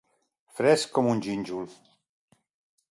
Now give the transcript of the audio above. Fresc com un gínjol.